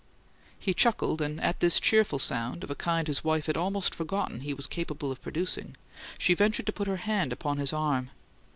He chuckled, and at this cheerful sound, of a kind his wife had almost forgotten he was capable of producing, she ventured to put her hand upon his arm.